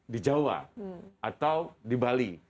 di jawa atau di bali